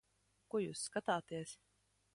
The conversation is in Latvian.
Ko jūs skatāties?